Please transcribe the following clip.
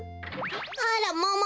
あらもも